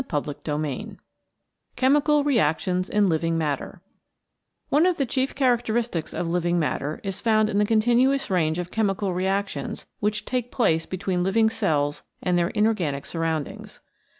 61 CHAPTER VI CHEMICAL REACTIONS IN LIVING MATTER NE of the chief characteristics of living matter is found in the continuous range of chemical reactions which take place between living cells and their inorganic surroundings.